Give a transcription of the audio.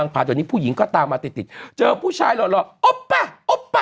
คลิปนะที่ผู้หญิงก็ตามมาติดเจอผู้ชายรอดโอ๊ปปะ